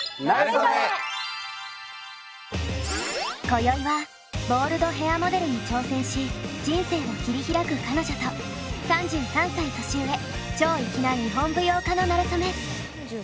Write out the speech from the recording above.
こよいはボールドヘアモデルに挑戦し人生を切り開く彼女と３３歳年上超粋な日本舞踊家のなれそめ。